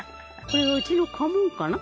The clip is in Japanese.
これはうちの家紋かな？